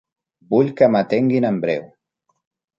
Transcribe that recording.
Vull que m'atenguin en breu.